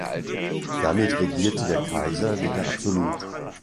Damit regierte der Kaiser wieder absolut.